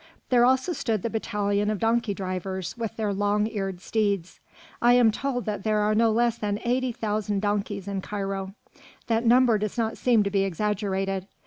There also stood the battalion of donkey drivers with their long eared steeds. I am told that there are no less than eighty thousand donkeys in Cairo. That number does not seem to be exaggerated.